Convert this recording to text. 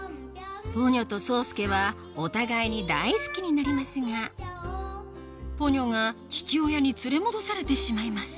ポニョと宗介はお互いに大好きになりますがポニョが父親に連れ戻されてしまいます